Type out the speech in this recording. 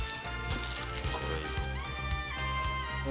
これはいいぞ。